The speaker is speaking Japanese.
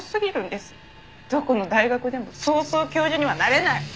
どこの大学でもそうそう教授にはなれない！